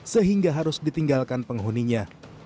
sehingga harus ditinggalkan penghuninya